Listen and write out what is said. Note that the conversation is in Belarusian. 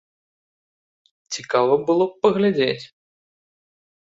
Цікава было б паглядзець.